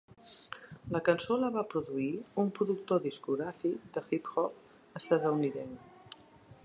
La cançó la va produir un productor discogràfic de hip hop estatunidenc.